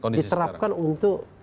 itu diterapkan untuk